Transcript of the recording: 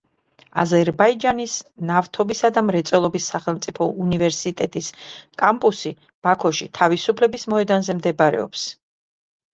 აზერბაიჯანის ნავთობისა და მრეწველობის სახელმწიფო უნივერსიტეტის კამპუსი ბაქოში, თავისუფლების მოედანზე მდებარეობს.